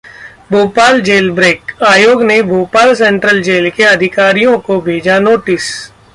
Bhopal jail break: आयोग ने Bhopal central jail के अधिकारियों को भेजा नोटिस